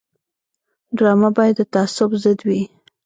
ډرامه باید د تعصب ضد وي